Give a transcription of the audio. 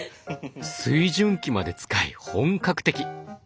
水準器まで使い本格的！